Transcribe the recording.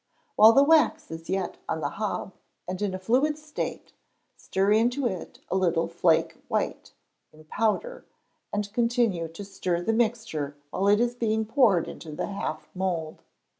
While the wax is yet on the hob, and in a fluid state, stir into it a little flake white, in powder, and continue to stir the mixture while it is being poured into the half mould.